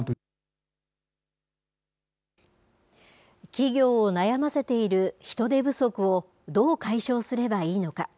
企業を悩ませている人手不足をどう解消すればいいのか。